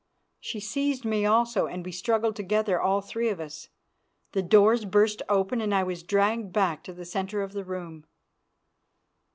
She seized me also, and we struggled together all three of us. The doors burst open, and I was dragged back into the centre of the room.